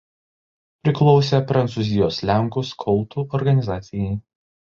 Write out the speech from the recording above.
Priklausė Prancūzijos lenkų skautų organizacijai.